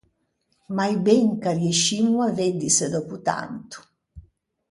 Mai ben ch’arriëscimmo à veddise, dòppo tanto!